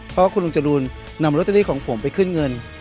เพราะว่าคุณลุงจรูนนำโรตเตอรี่ของผมไปขึ้นเงิน